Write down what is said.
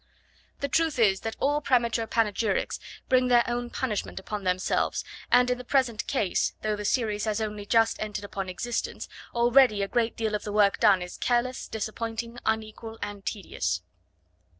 The truth is that all premature panegyrics bring their own punishment upon themselves and, in the present case, though the series has only just entered upon existence, already a great deal of the work done is careless, disappointing, unequal and tedious.